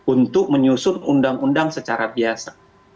untuk menyusun undang undang secara biasa